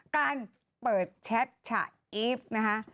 การเปิดแชทฉาลนะฮะ